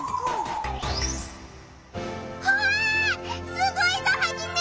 すごいぞハジメ！